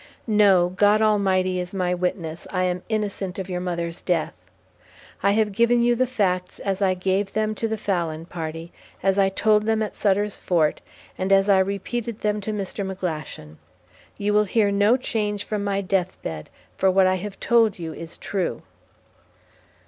No, God Almighty is my witness, I am innocent of your mother's death! I have given you the facts as I gave them to the Fallon Party, as I told them at Sutter's Fort, and as I repeated them to Mr. McGlashan. You will hear no change from my death bed, for what I have told you is true."